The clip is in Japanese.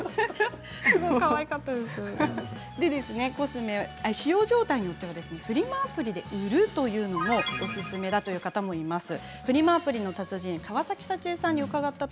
コスメは使用状態によってはフリマアプリで売るというのもおすすめだということです。